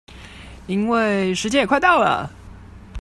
因為時間也快到了